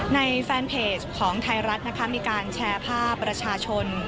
ในแฟนเพจของไทยรัฐนะคะมีการแชร์ภาพประชาชน